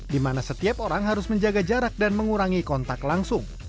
di mana setiap orang harus menjaga jarak dan mengurangi kontak langsung